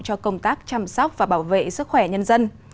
cho công tác chăm sóc và bảo vệ sức khỏe nhân dân